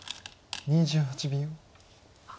２８秒。